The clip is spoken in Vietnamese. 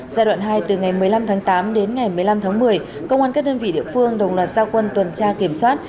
giai đoạn hai từ ngày một mươi năm tháng tám đến ngày một mươi năm tháng một mươi công an các đơn vị địa phương đồng loạt gia quân tuần tra kiểm soát